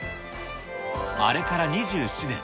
あれから２７年。